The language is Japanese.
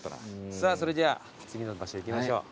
さぁそれでは次の場所行きましょう。